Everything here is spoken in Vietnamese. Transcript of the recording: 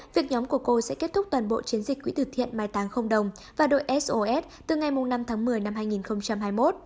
việc nhóm của cô sẽ kết thúc toàn bộ chiến dịch quỹ từ thiện mai táng không đồng và đội sos từ ngày năm tháng một mươi năm hai nghìn hai mươi một